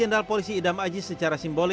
tema ini kita tak naik berwakfuri